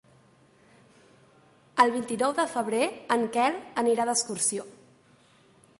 El vint-i-nou de febrer en Quel anirà d'excursió.